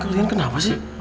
kalian kenapa sih